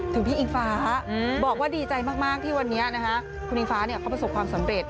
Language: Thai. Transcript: พี่อิงฟ้าบอกว่าดีใจมากที่วันนี้คุณอิงฟ้าเขาประสบความสำเร็จ